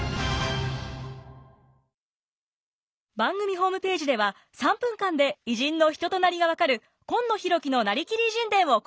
番組ホームページでは３分間で偉人の人となりが分かる「今野浩喜のなりきり偉人伝」を公開中！